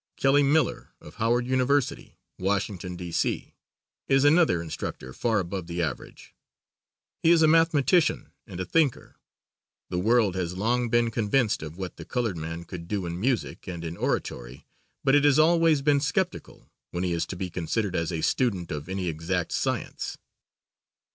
Kelly Miller, of Howard University, Washington, D.C., is another instructor far above the average. He is a mathematician and a thinker. The world has long been convinced of what the colored man could do in music and in oratory, but it has always been skeptical, when he is to be considered as a student of any exact science.